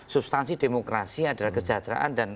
substansi demokrasi adalah kesejahteraan dan